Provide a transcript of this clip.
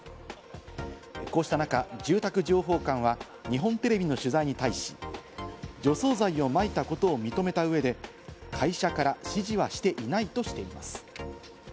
こうした中、住宅情報館は日本テレビの取材に対し、除草剤をまいたことを認めた上で、会社から指示はしていないとしています。